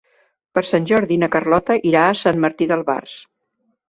Per Sant Jordi na Carlota irà a Sant Martí d'Albars.